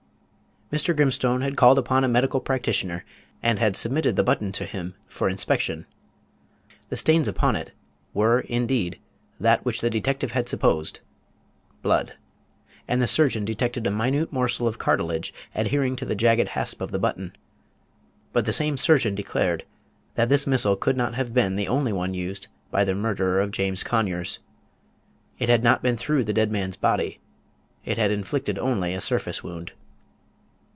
Mr. Grimstone had called upon a medical practitioner, and had submitted the button to him for inspection. The stains upon it were indeed that which the detective had supposed, blood; and the surgeon detected a minute morsel of cartilage adhering to the jagged hasp of the button; but the same surgeon declared that this missile could not have been the only one used by the murderer of James Conyers. It had not been through the dead man's body; it had inflicted only a surface wound.